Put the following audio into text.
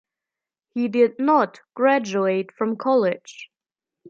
He did not graduate from college.